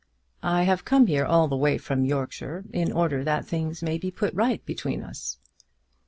"I have come here all the way from Yorkshire in order that things may be put right between us."